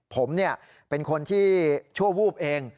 ผมเป็นคนที่ชั่ววูบเอง